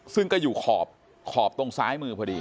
ซึ่งก็อยู่ขอบตรงซ้ายมือพอดี